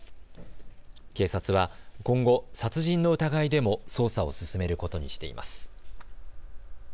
警察は今後、殺人の疑いでも捜査を進めることにしています。